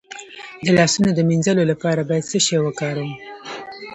د لاسونو د مینځلو لپاره باید څه شی وکاروم؟